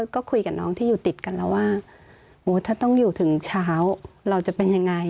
ก็คุยกับน้องที่อยู่ติดกันแล้วว่าถ้าต้องอยู่ถึงเช้าเราจะเป็นยังไง